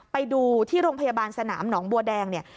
ไปดูที่โรงพยาบาลสนามหนองบัวแดงเนี่ย